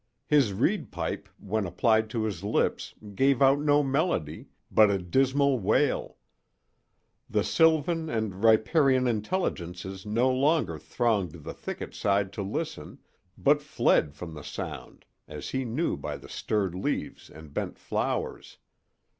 His reed pipe when applied to his lips gave out no melody, but a dismal wail; the sylvan and riparian intelligences no longer thronged the thicket side to listen, but fled from the sound, as he knew by the stirred leaves and bent flowers.